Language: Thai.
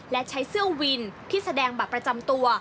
และใช้เสื้อวินที่แสดงบัตรประจำตัว